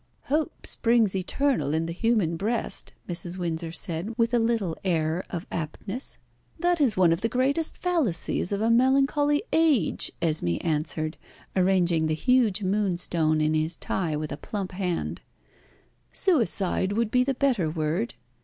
"Hope springs eternal in the human breast," Mrs. Windsor said, with a little air of aptness. "That is one of the greatest fallacies of a melancholy age," Esmé answered, arranging the huge moonstone in his tie with a plump hand; "suicide would be the better word.